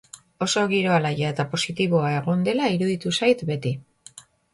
Oso giro alaia eta positiboa egon dela iruditu zait beti.